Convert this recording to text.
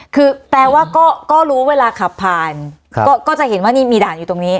คือแปลว่าก็รู้เวลาขับผ่านก็จะเห็นว่านี่มีด่านอยู่ตรงนี้